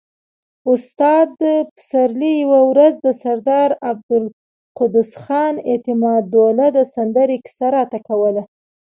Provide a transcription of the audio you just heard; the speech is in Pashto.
استاد پسرلي يوه ورځ د سردار عبدالقدوس خان اعتمادالدوله د سندرې کيسه راته کوله.